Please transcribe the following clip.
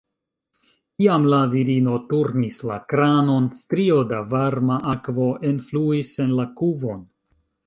Kiam la virino turnis la kranon, strio da varma akvo enfluis en la kuvon.